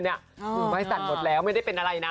มือไม้สั่นหมดแล้วไม่ได้เป็นอะไรนะ